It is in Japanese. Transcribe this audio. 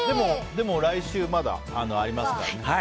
でも来週、まだありますからね。